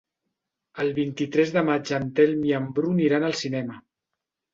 El vint-i-tres de maig en Telm i en Bru aniran al cinema.